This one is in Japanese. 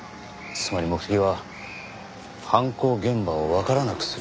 つまり目的は犯行現場をわからなくする事。